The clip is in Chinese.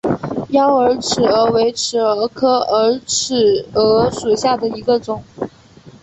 妖洱尺蛾为尺蛾科洱尺蛾属下的一个种。